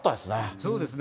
そうですね。